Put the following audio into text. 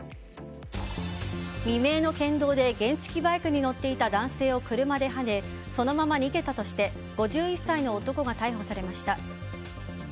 未明の県道で原付きバイクに乗っていた男性を車ではねそのまま逃げたとして５１歳の男が逮捕されました。